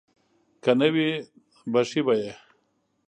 که نه وي بښي به یې.